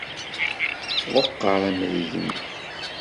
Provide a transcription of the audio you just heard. Ḍeqqer amrig-nni!